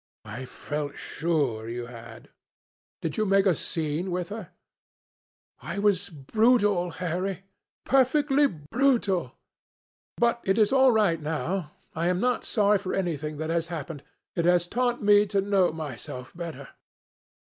"I felt sure you had. Did you make a scene with her?" "I was brutal, Harry—perfectly brutal. But it is all right now. I am not sorry for anything that has happened. It has taught me to know myself better."